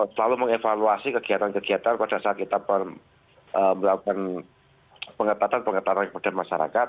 selalu mengevaluasi kegiatan kegiatan pada saat kita melakukan pengetatan pengetatan kepada masyarakat